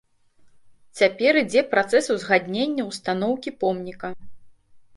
Цяпер ідзе працэс узгаднення устаноўкі помніка.